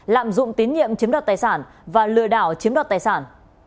lạm dụng tín nhiệm chiếm đoạt tài sản và lừa đảo chiếm đoạt tài sản